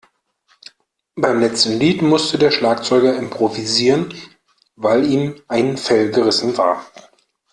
Beim letzten Lied musste der Schlagzeuger improvisieren, weil ihm ein Fell gerissen war.